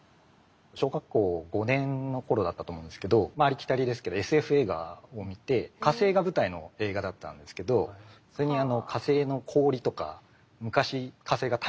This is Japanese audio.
小学校５年の頃だったと思うんですけどありきたりですけどＳＦ映画を見て火星が舞台の映画だったんですけどはあ。